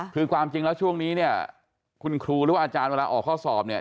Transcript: คือความจริงแล้วช่วงนี้เนี่ยคุณครูหรือว่าอาจารย์เวลาออกข้อสอบเนี่ย